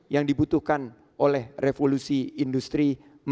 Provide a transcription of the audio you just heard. yang dibutuhkan oleh revolusi industri empat